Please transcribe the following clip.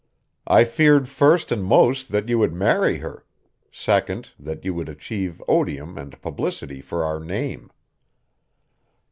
I feared first and most that you would marry her; second, that you would achieve odium and publicity for our name."